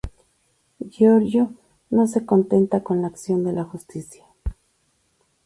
Giorgio no se contenta con la acción de la justicia.